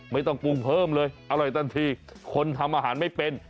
ไม่ต้องกลุ่มเพิ่มเลยชอบที่คนทำอาหารไม่เป็น